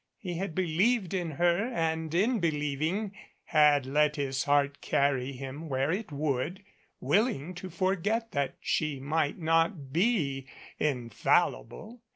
He had believed in her and in believing had let his heart carry him where it would, willing to forget that she might not be infallible.